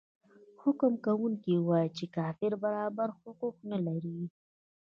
حکم کوونکی وايي چې کافر برابر حقوق نلري.